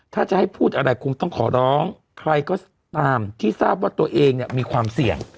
ถ้าจะให้พูดอะไรคงต้องขอร้องใครก็ตามที่ทราบว่าตัวเองเนี่ยมีความเสี่ยง